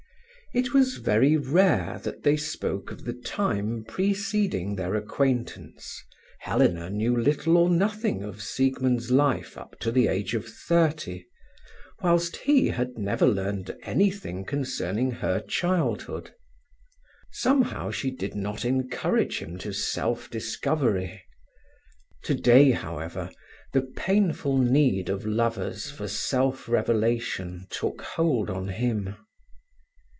It was very rare that they spoke of the time preceding their acquaintance, Helena knew little or nothing of Siegmund's life up to the age of thirty, whilst he had never learned anything concerning her childhood. Somehow she did not encourage him to self discovery. Today, however, the painful need of lovers for self revelation took hold on him.